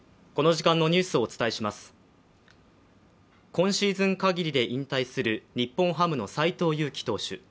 今シーズン限りで引退する日本ハムの斎藤佑樹投手。